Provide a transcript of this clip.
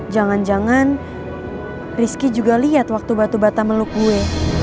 jangan jangan rizky juga lihat waktu batu bata meluk gue